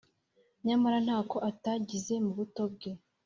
nyamara ntako atagize mu buto bwe